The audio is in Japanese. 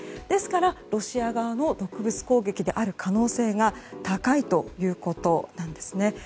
ですから、ロシア側の毒物攻撃である可能性が高いということなんです。